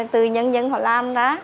từ nhân dân họ làm ra